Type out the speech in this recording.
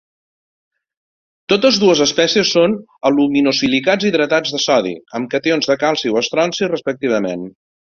Totes dues espècies són aluminosilicats hidratats de sodi, amb cations de calci o estronci respectivament.